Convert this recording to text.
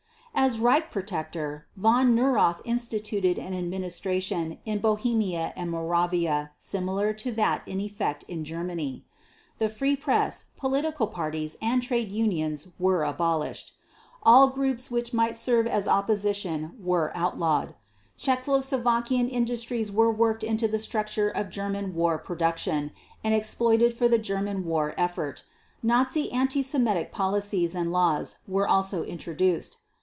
As Reich Protector, Von Neurath instituted an administration in Bohemia and Moravia similar to that in effect in Germany. The free press, political parties, and trade unions were abolished. All groups which might serve as opposition were outlawed. Czechoslovakian industry was worked into the structure of German war production, and exploited for the German war effort. Nazi anti Semitic policies and laws were also introduced.